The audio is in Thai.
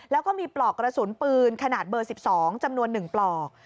แล้วก็มีปลอกกระสุนปืนขนาดเบอร์๑๒จำนวน๑ปลอก